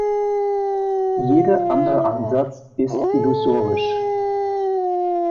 Jeder andere Ansatz ist illusorisch.